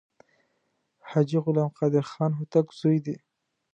حاجي غلام قادر خان هوتک زوی دی.